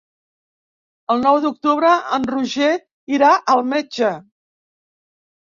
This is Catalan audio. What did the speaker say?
El nou d'octubre en Roger irà al metge.